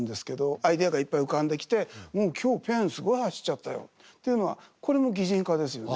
アイデアがいっぱい浮かんできてうん今日ペンすごい走っちゃったよっていうのはこれも擬人化ですよね。